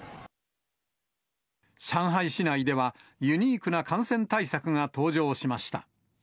上海市内ではユニークな感染対策が登場しました。